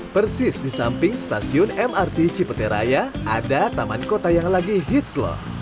persis di samping stasiun mrt cipeteraya ada taman kota yang lagi hits loh